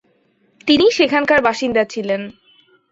তিনি সেখানকার বাসিন্দা ছিলেন।